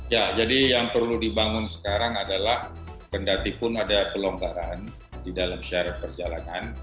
ya jadi yang perlu dibangun sekarang adalah pendatipun ada pelonggaran di dalam syarat perjalanan